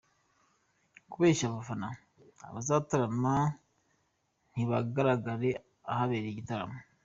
Kubeshya abafana abazatarama ntibagaragare ahabereye igitaramo.